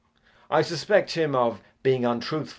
I suspect him of being untruthful.